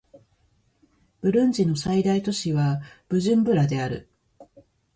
ブルンジの最大都市はブジュンブラである